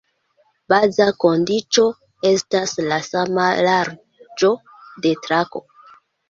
Baza kondiĉo estas la sama larĝo de trako.